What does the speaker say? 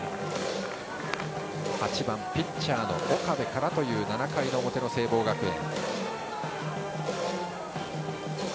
８番、ピッチャーの岡部からの７回の表の聖望学園。